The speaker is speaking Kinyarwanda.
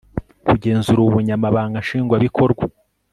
kugenzura ubunyamabanga nshingwa bikorwa